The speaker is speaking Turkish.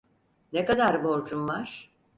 Ne kadar borcun var?